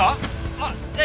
あっねえ！